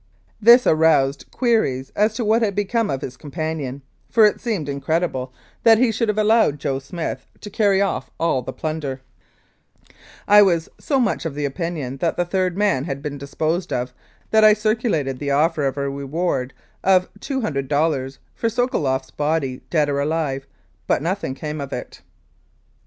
This aroused queries as to what had become of his companion, for it seemed incredible that he should 258 The Wilson Murder and Robbery have allowed " Joe Smith " to carry off all the plunder. I was so much of opinion that the third man had been disposed of that I circulated the offer of a reward of $200 for Sokoloff's body, dead or alive, but nothing came of it.